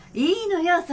いいのよ。